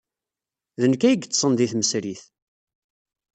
D nekk ay yeḍḍsen deg tmesrit.